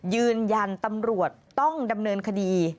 ยืนยันตำรวจต้องดำเนินคดี